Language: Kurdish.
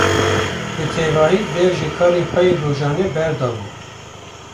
Bi tevahî dev ji karên xwe yên rojane berdabû.